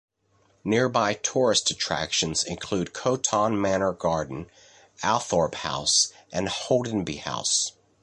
Nearby tourist attractions include Coton Manor Garden, Althorp House, and Holdenby House.